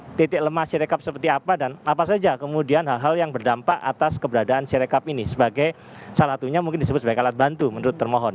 apakah titik lemah sirekap seperti apa dan apa saja kemudian hal hal yang berdampak atas keberadaan sirekap ini sebagai salah satunya mungkin disebut sebagai alat bantu menurut termohon